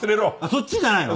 そっちじゃないの？